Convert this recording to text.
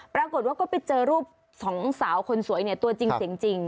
ปรากฏว่าก็ไปเจอรูปสองสาวคนสวยเนี่ยตัวจริงเสียงจริง